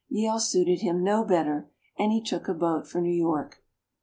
Yale suited him no better, and he took a boat for New York.